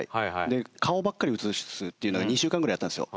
で顔ばっかり映すっていうのを２週間ぐらいやったんですよ。